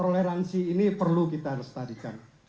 toleransi ini perlu kita lestarikan